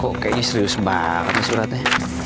kok kayaknya serius banget suratnya